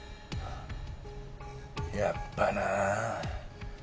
やっぱな。